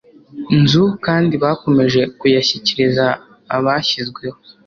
nzu kandi bakomeje kuyashyikiriza abashyizweho